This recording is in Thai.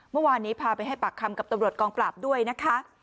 เมื่อวานนี้พาไปให้ปากคำกับตำรวจกองปราบด้วยนะคะ